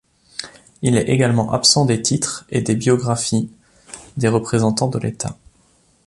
Il est également absent des titres et des biographies des représentants de l'État.